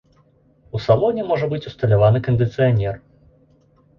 У салоне можа быць усталяваны кандыцыянер.